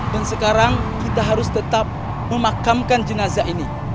dan sekarang kita harus tetap memakamkan jenazah ini